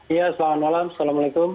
iya selamat malam assalamualaikum